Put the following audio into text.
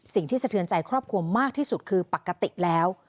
สะเทือนใจครอบครัวมากที่สุดคือปกติแล้ว